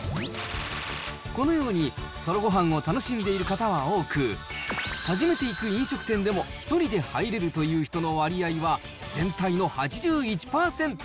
このように、ソロごはんを楽しんでいる方は多く、初めて行く飲食店でも１人で入れるという人の割合は、全体の８１％。